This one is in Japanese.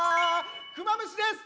クマムシです！